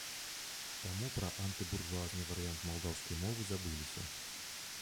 Таму пра антыбуржуазны варыянт малдаўскай мовы забыліся.